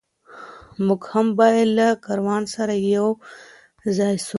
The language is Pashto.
موږ هم باید له کاروان سره یو ځای سو.